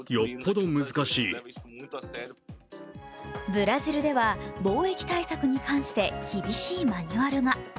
ブラジルでは防疫対策に関して厳しいマニュアルが。